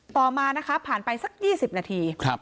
ต่อมานะคะผ่านไปสัก๒๐นาที